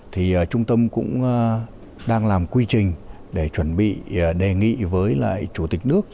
thì trung tâm cũng đang làm quy trình để chuẩn bị đề nghị với lại chủ tịch nước